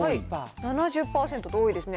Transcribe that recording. ７０％と、多いですね。